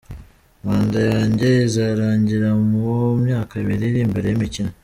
"Manda yanjye izarangira mu myaka ibiri iri imbere y'imikino.